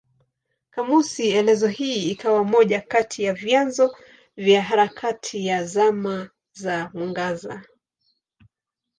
Kamusi elezo hii ikawa moja kati ya vyanzo vya harakati ya Zama za Mwangaza.